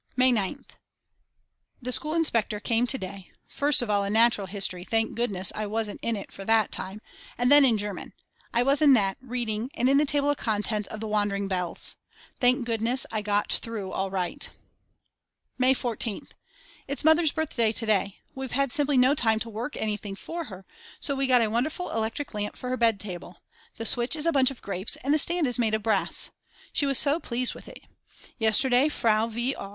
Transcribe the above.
May 9th. The school inspector came to day, first of all in natural history, thank goodness I wasn't in for it that time, and then in German; I was in that, reading and in the table of contents of the Wandering Bells. Thank goodness I got through all right. May 14th. It's Mother's birthday to day. We've had simply no time to work anything for her, so we got a wonderful electric lamp for her bed table, the switch is a bunch of grapes and the stand is made of brass. She was so pleased with it. Yesterday Frau v.